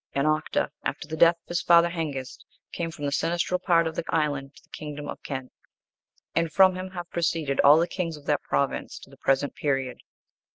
And Octa, after the death of his father Hengist, came from the sinistral part of the island to the kingdom of Kent, and from him have proceeded all the kings of that province, to the present period.